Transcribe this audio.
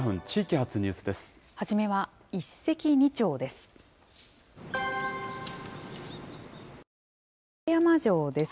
初めは一石二鳥です。